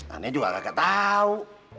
aneh juga gak ketau